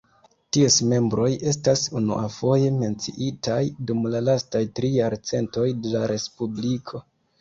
Ties membroj estas unuafoje menciitaj dum la lastaj tri jarcentoj de la Respubliko.